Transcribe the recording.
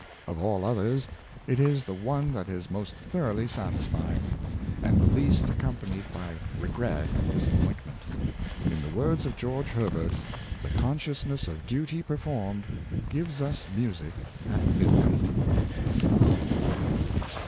Of all others, it is the one that is Duty the A im and End of Life, 631 most thoroughly satisfying, and the least accompanied by regret and disappointment. In the words of George Herbert, the consciousness of duty performed " gives us music at midnight."